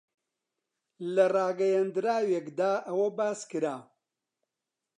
لە ڕاگەیەندراوێکدا ئەوە باس کرا